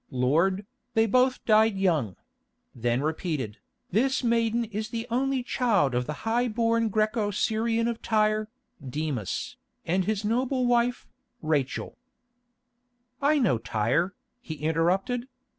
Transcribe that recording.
—"Lord, they both died young"; then repeated, "This maiden is the only child of the high born Græco Syrian of Tyre, Demas, and his noble wife, Rachel——" "I know Tyre," he interrupted.